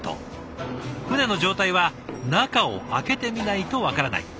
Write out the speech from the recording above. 船の状態は中を開けてみないと分からない。